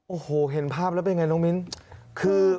โอ้โหเห็นภาพแล้วเป็นอย่างไรน้องมิ้น